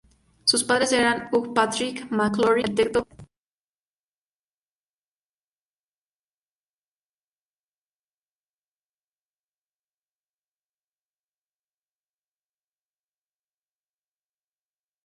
Ella decidió que sería mejor para su carrera mudarse a Los Ángeles.